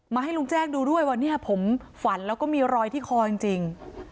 ให้ลุงแจ้งดูด้วยว่าเนี่ยผมฝันแล้วก็มีรอยที่คอจริง